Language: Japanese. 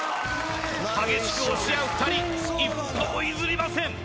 激しく押し合う２人一歩も譲りません